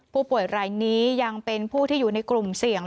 ผู้ป่วยรายนี้ยังเป็นผู้ที่อยู่ในกลุ่มเสี่ยง